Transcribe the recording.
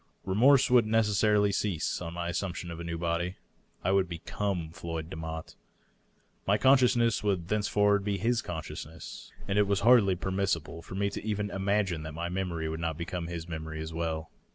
Re morse would necessarily cease, on my assumption of a new body. I would become Floyd Demotte ; my consciousness would thenceforward be his consciousness, and it was hardly permissible for me to even im agine that my memory would not become his memory as well.